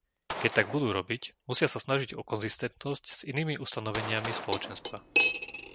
Keď tak budú robiť, musia sa snažiť o konzistentnosť s inými ustanoveniami Spoločenstva.